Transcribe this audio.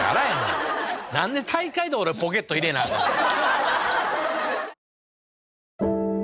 なんで大会で俺ポケット入れなアカンねん。